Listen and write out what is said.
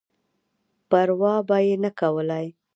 پر وا به یې نه کولای.